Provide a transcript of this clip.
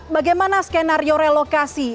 bagaimana skenario relokasi